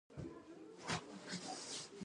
په سروبي کې به د قابلي دیګ را ښکته کړو؟